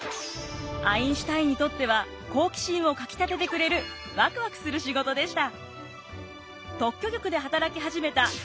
アインシュタインにとっては好奇心をかきたててくれるワクワクする仕事でした。